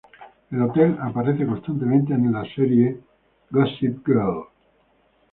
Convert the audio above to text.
El hotel aparece constantemente en el serie "Gossip Girl".